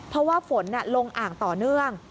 เพราะว่าฝนลงอ่างต่อเนื่อง